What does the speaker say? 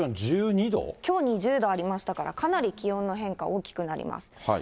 きょう２０度ありましたから、かなり気温の変化、大きくなります。